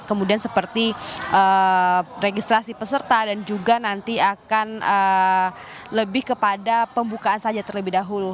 kemudian seperti registrasi peserta dan juga nanti akan lebih kepada pembukaan saja terlebih dahulu